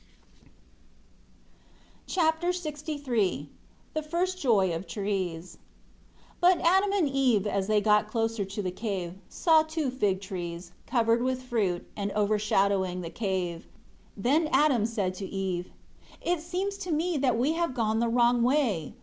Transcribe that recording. Chapter LXIII The first joy of trees. 1 But Adam and Eve, as they got closer to the cave, saw two fig trees, covered with fruit, and overshadowing the cave. 2 Then Adam said to Eve, "It seems to me that we have gone the wrong way.